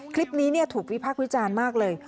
คลิปนี้ถูกวิพากษ์วิจารณ์มากเลย